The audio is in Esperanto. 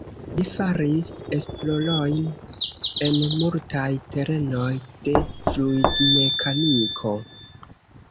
Li faris esplorojn en multaj terenoj de fluidmekaniko.